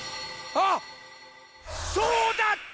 あっそうだった！